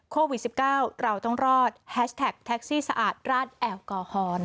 โควิด๑๙เราต้องรอดแฮชแท็กแท็กซี่สะอาดราดแอลกอฮอล์